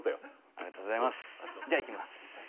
ありがとうございますじゃあいきます。